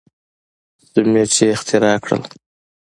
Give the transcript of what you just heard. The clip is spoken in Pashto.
سیمنټ یې اختراع کړل.